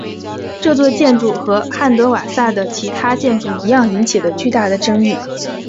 这座建筑和汉德瓦萨的其他建筑一样引起了巨大的争议。